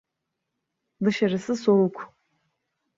Dışarısı soğuk.